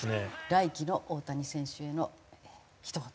来季の大谷選手へのひと言。